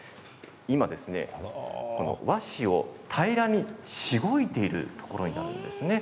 今、和紙を平らにしごいているところになるんですね。